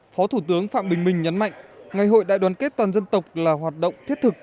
phó thủ tướng phạm bình minh nhấn mạnh ngày hội đại đoàn kết toàn dân tộc là hoạt động thiết thực